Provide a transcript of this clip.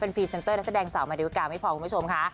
เป็นพรีเซนเตอร์และแสดงสาวมาดีวิกาไม่พอคุณผู้ชมค่ะ